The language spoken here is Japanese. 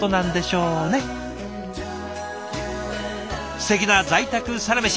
すてきな在宅サラメシ